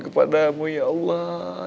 kepadamu ya allah